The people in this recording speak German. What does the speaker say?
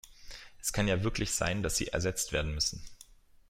Es kann ja wirklich sein, dass sie ersetzt werden müssen.